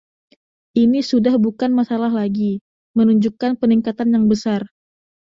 Ini sudah bukan masalah lagi, menunjukkan peningkatan yang besar.